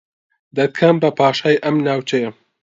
دەتکەم بە پاشای ئەم ناوچەیە